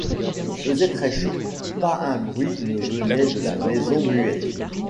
Il faisait très chaud, pas un bruit ne venait de la maison muette.